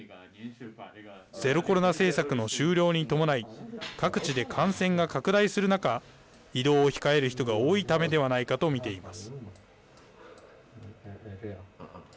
ゼロコロナ政策の終了に伴い各地で感染が拡大する中移動を控える人が多いためではないかと見ています。